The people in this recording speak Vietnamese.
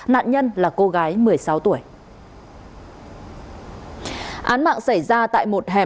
nạn nhân là cô gái một mươi sáu tuổi